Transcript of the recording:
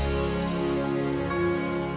sampai jumpa lagi